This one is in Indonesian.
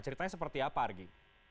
ceritanya seperti apa argy